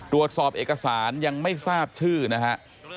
ตรวจสอบเอกสารยังไม่ทราบชื่อนะครับ